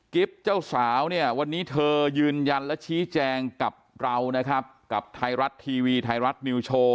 เจ้าสาวเนี่ยวันนี้เธอยืนยันและชี้แจงกับเรานะครับกับไทยรัฐทีวีไทยรัฐนิวโชว์